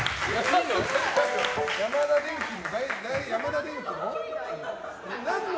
ヤマダ電機の？